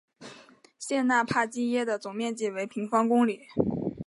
谢讷帕基耶的总面积为平方公里。